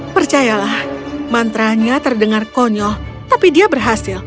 percayalah mantra nya terdengar konyol tapi dia berhasil